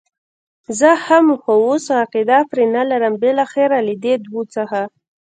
زه هم، خو اوس عقیده پرې نه لرم، بالاخره له دې دوو څخه.